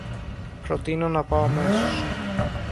προτείνω να πάω αμέσως